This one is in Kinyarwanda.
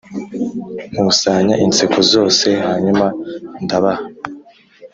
nkusanya inseko zose hanyuma ndabaha.